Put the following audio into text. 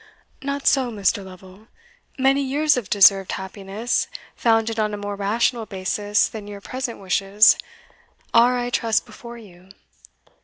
"Not so, Mr. Lovel; many years of deserved happiness, founded on a more rational basis than your present wishes, are, I trust, before, you.